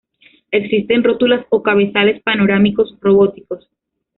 Existen rótulas o cabezales panorámicos robóticos.